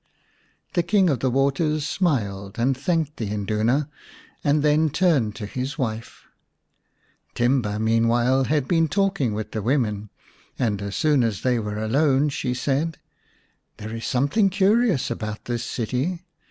The King of the Waters smiled and thanked the Induna, and then turned to his wife. Timba meanwhile had been talking with the women, and as soon as they were alone she said :" There is something curious about this city.